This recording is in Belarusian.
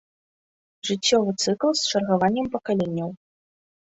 Жыццёвы цыкл з чаргаваннем пакаленняў.